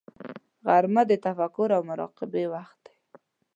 غرمه د تفکر او مراقبې وخت دی